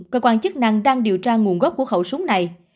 cơ quan chức năng đang điều tra nguồn gốc của khẩu súng này